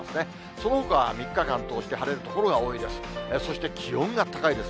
そのほかは３日間通して晴れる所が多いです。